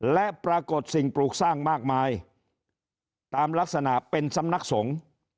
และปรากฏสิ่งปลูกสร้างมากมายตามลักษณะเป็นสำนักสงฆ์